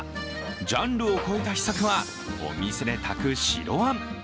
ジャンルを超えた秘策はお店で炊く白あん。